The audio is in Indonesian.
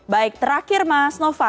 baik terakhir mas nova